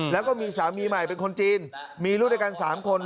แล้วก็มีสามีใหม่เป็นคนจีนมีลูกด้วยกัน๓คน